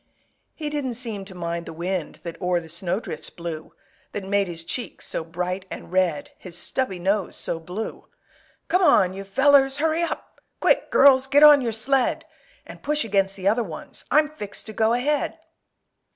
He didn't seem to mind the wind That o'er the snowdrifts blew, That made his cheeks so bright and red, His stubby nose so blue! "Come on, you fellers; hurry up! Quick, girls, get on your sled! And push against the other ones, I'm fixed to go ahead!"